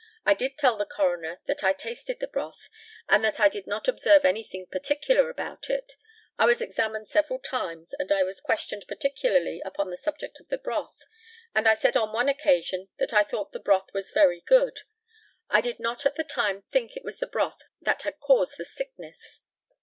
I did tell the coroner that I tasted the broth, and that I did not observe anything particular about it. I was examined several times, and I was questioned particularly upon the subject of the broth, and I said on one occasion that I thought the broth was very good. I did not at the time think it was the broth that had caused the sickness.